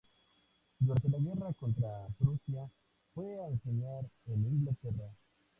Durante la guerra contra Prusia, fue a enseñar en Inglaterra.